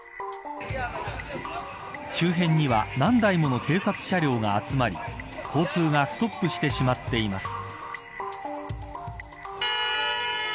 周辺には何台もの警察車両が集まり交通がストップしてしまっています。